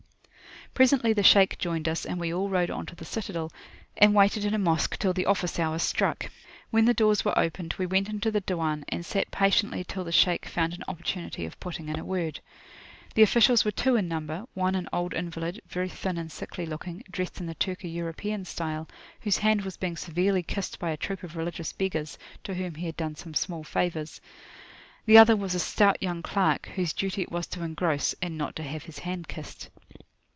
Presently the Shaykh joined us, and we all rode on to the citadel, and waited in a Mosque till the office hour struck. When the doors were opened we went into the [p.131]"Diwan," and sat patiently till the Shaykh found an opportunity of putting in a word. The officials were two in number; one an old invalid, very thin and sickly looking, dressed in the Turco European style, whose hand was being severely kissed by a troop of religious beggars, to whom he had done some small favours; the other was a stout young clerk, whose duty it was to engross, and not to have his hand kissed.